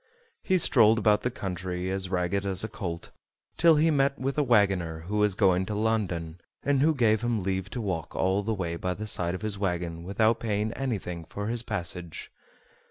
He strolled about the country as ragged as a colt, till he met with a wagoner who was going to London, and who gave him leave to walk all the way by the side of his wagon without paying anything for his passage.